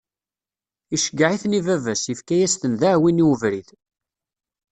Iceggeɛ-iten i baba-s, ifka-as-ten d aɛwin i ubrid.